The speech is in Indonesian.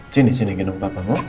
sini sini kenung papamu